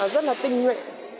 rất là tinh nguyện